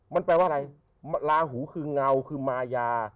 มันแปลว่าอะไรลาหูคือเงาคือมายา